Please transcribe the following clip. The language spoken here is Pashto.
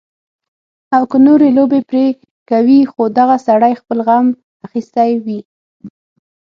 او کۀ نورې لوبې پرې کوي خو دغه سړے خپل غم اخستے وي